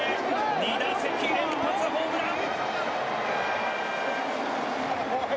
２打席連続ホームラン。